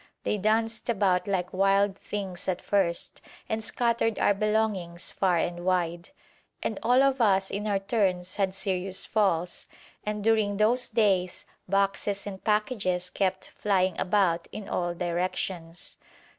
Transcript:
They danced about like wild things at first, and scattered our belongings far and wide, and all of us in our turns had serious falls, and during those days, boxes and packages kept flying about in all directions.